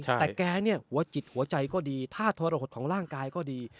แต่แกเนี่ยหัวจิตหัวใจก็ดีถ้าทรหดของร่างกายก็ดี